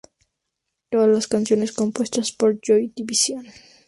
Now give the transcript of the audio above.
Todas las canciones compuestas por Joy Division.